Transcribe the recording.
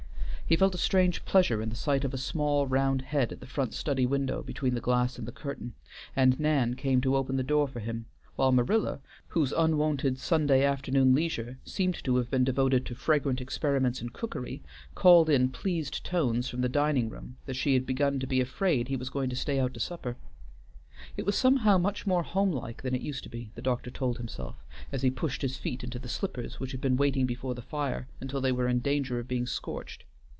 He felt a strange pleasure in the sight of a small, round head at the front study window between the glass and the curtain, and Nan came to open the door for him, while Marilla, whose unwonted Sunday afternoon leisure seemed to have been devoted to fragrant experiments in cookery, called in pleased tones from the dining room that she had begun to be afraid he was going to stay out to supper. It was somehow much more homelike than it used to be, the doctor told himself, as he pushed his feet into the slippers which had been waiting before the fire until they were in danger of being scorched.